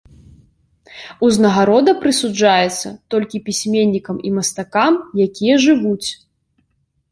Узнагарода прысуджаецца толькі пісьменнікам і мастакам, якія жывуць.